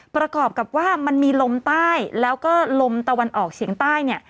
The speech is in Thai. ประกอบกับว่ามันมีลมใต้แล้วก็ลมตะวันออกเฉียงใต้เนี่ย